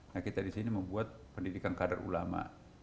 nah kita di sini membuat pendidikan kader ulama